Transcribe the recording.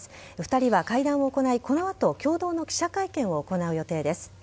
２人は会談を行い、この後共同の記者会見を行う予定です。